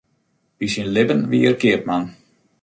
By syn libben wie er keapman.